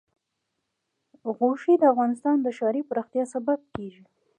غوښې د افغانستان د ښاري پراختیا سبب کېږي.